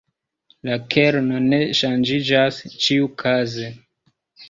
La kerno ne ŝanĝiĝas ĉiukaze.